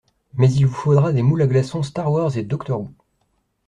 Mais il vous faudra des moules à glaçons Star Wars et Doctor Who.